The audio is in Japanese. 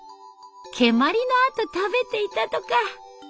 蹴まりのあと食べていたとか。